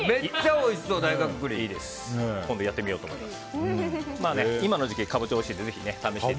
今度やってみようと思います。